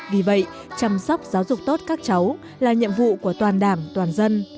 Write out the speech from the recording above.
vì vậy chăm sóc giáo dục tốt các cháu là nhiệm vụ của toàn đảng toàn dân